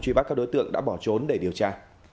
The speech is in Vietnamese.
truy bắt các đối tượng đã bỏ trốn để điều tra